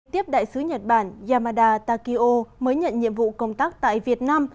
tiếp đại sứ nhật bản yamada takio mới nhận nhiệm vụ công tác tại việt nam